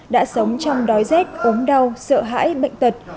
đã sống trong đói rét ốm đau sợ hãi bệnh tật